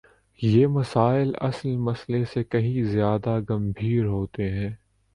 یہ مسائل اصل مسئلے سے کہیں زیادہ گمبھیر ہوتے ہیں۔